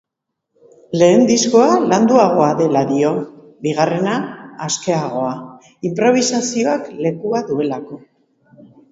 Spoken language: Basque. Lehen diskoa landuagoa dela dio, bigarrena askeagoa, inprobisazioak lekua duelako.